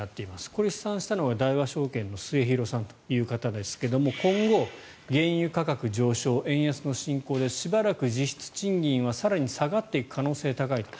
これを試算したのは大和証券の末廣さんという方ですが今後、原油価格上昇円安の進行でしばらくは実質賃金更に下がっていく可能性が高いと。